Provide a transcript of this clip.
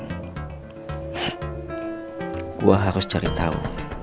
gue harus cari tahu